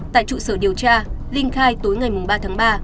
tại trụ sở điều tra linh khai tối ngày ba tháng ba